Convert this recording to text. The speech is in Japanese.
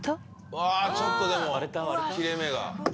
わあちょっとでも切れ目が。